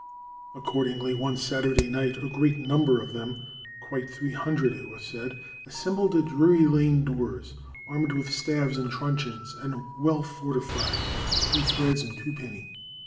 Accordingly, one Saturday night a great number of them—quite three hundred, it was said—assembled at Drury Lane doors, armed with staves and truncheons, and "well fortified with three threads and two penny."